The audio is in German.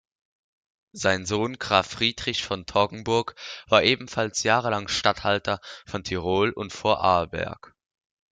Sein Sohn Graf Friedrich von Toggenburg war ebenfalls jahrelang Statthalter von Tirol und Vorarlberg.